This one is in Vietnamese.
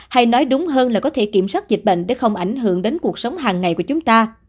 hay nói đúng hơn là có thể kiểm soát dịch bệnh để không ảnh hưởng đến cuộc sống hàng ngày của chúng ta